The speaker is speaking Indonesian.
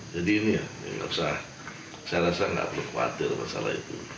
jadi ini ya saya rasa tidak perlu khawatir masalah itu